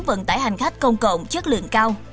vận tải hành khách công cộng chất lượng cao